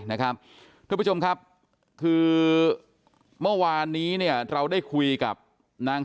นะครับทุกผู้ชมครับคือเมื่อวานนี้เนี่ยเราได้คุยกับนาง